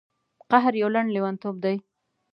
قهر یو لنډ لیونتوب دی.